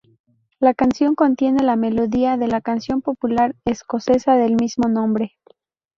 La canción contiene la melodía de la canción popular escocesa del mismo nombre.